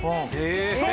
そう！